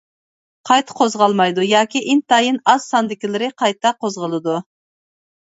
قايتا قوزغالمايدۇ ياكى ئىنتايىن ئاز ساندىكىلىرى قايتا قوزغىلىدۇ.